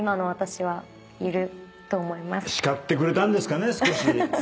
叱ってくれたんですかね少し。